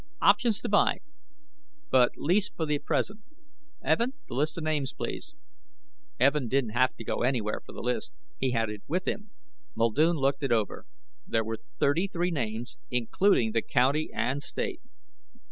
Options to buy, but lease for the present. Evin, the list of names, please." Evin didn't have to go anywhere for the list. He had it with him. Muldoon looked it over. There were thirty three names, including the County and State.